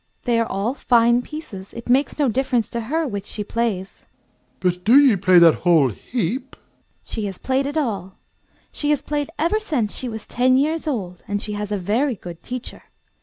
They are all fine pieces. It makes no difference to her which she plays. DOMINIE. But do you play that whole heap? AUNT. She has played it all. She has played ever since she was ten years old, and she has a very good teacher.